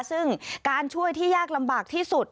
ซึ่งการช่วยที่ยากลำบากที่สุด